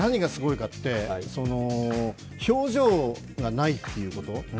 あれ、やっぱり何がすごいかって表情がないということ。